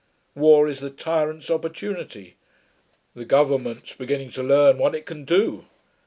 War is the tyrant's opportunity. The Government's beginning to learn what it can do.